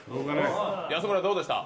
安村どうですか。